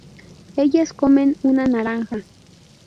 ellas comen una naranja